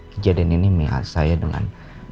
kejadian ini saya dengan